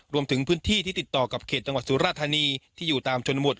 รวมถึงพื้นที่ที่ติดต่อกับเขตจังหวัดสุราธานีที่อยู่ตามชนบท